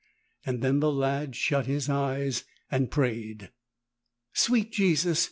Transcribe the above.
Then the lad shut his eyes and prayed. "Sweet Jesus